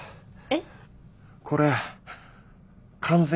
えっ？